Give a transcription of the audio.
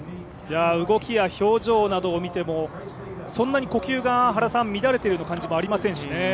動きや表情などを見ても呼吸が乱れている感じがありませんね。